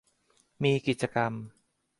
มีกิจกรรม